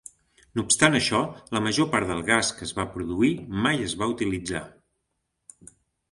No obstant això, la major part del gas que es va produir mai es va utilitzar.